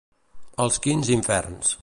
Als quints inferns.